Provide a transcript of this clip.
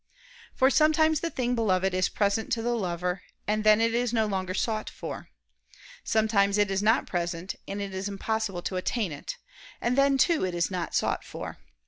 For sometimes the thing beloved is present to the lover: and then it is no longer sought for. Sometimes it is not present, and it is impossible to attain it: and then, too, it is not sought for.